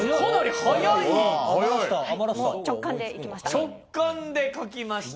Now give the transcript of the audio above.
直感で書きました。